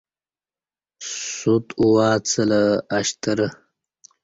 سوت او ا څلہ اشترہ